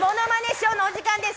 ショーのお時間です。